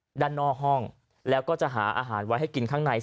ด้านนอกห้องแล้วก็จะหาอาหารไว้ให้กินข้างใน